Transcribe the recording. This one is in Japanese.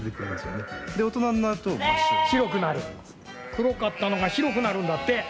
黒かったのが白くなるんだって。